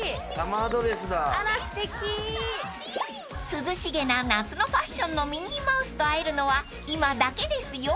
［涼しげな夏のファッションのミニーマウスと会えるのは今だけですよ］